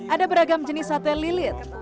ada beragam jenis sate lilit